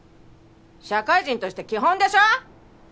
社会人として基本でしょ？